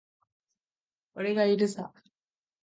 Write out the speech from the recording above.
俺がいるさ。